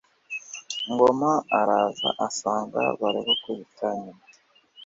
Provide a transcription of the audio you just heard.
Ngoma araza asanga barigukubita nyina